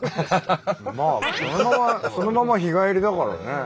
まあそのまま日帰りだからね。